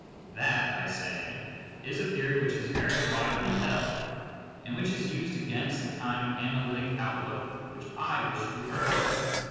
That, I say, is a theory which is very widely held and which is used against that kind of analytic outlook which I wish to urge.